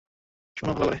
শোনো ভালো করে।